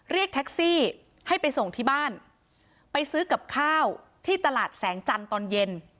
เรียกแท็กซี่ให้ไปส่งที่บ้านไปซื้อกับข้าวที่ตลาดแสงจันทร์ตอนเย็น